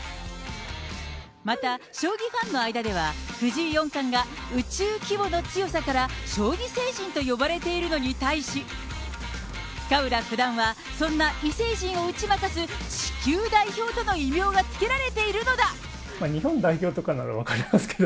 また、将棋ファンの間では藤井四冠が宇宙規模の強さから将棋星人と呼ばれているのに対し、深浦九段はそんな異星人を打ち負かす地球代表との異名が付けられ日本代表とかなら分かりますけど。